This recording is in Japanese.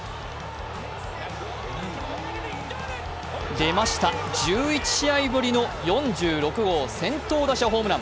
出ました、１１試合ぶりの４６号先頭打者ホームラン。